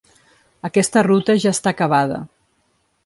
Aquesta ruta ja està acabada.